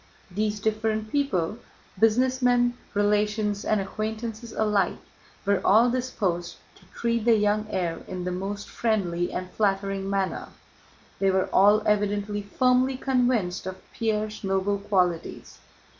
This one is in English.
These different people—businessmen, relations, and acquaintances alike—were all disposed to treat the young heir in the most friendly and flattering manner: they were all evidently firmly convinced of Pierre's noble qualities.